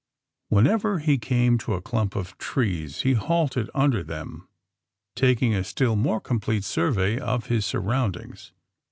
'^ Whenever he came to a clump of trees he halted under them, taking a still more complete survey of his surroundings.